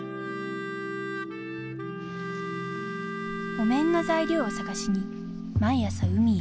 お面の材料を探しに毎朝海へ。